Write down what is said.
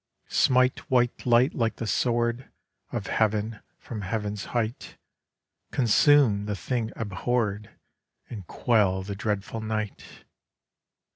Smite white light like the sword Of Heav'n from heav'n's height; Consume the thing abhor'd And quell the dreadful night!